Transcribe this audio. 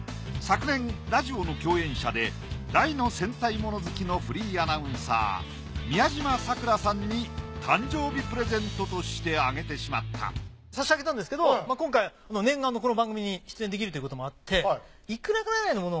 昨年ラジオの共演者で大の戦隊モノ好きのフリーアナウンサー宮島咲良さんに誕生日プレゼントとしてあげてしまった差し上げたんですけど今回念願のこの番組に出演できるということもあって。